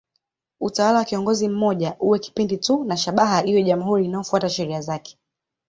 Utawala wa kiongozi mmoja uwe kipindi tu na shabaha iwe jamhuri inayofuata sheria zake.